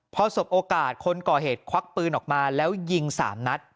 พอสบโอกาสคนก่อเหตุควักปืนออกมาแล้วยิง๓นัด